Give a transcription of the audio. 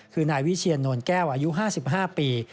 คือนายวิเชียนโนนแก้วอายุ๕๕ปี